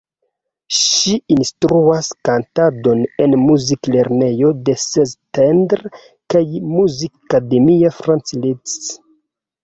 Ŝi instruas kantadon en muziklernejo de Szentendre kaj Muzikakademio Franz Liszt.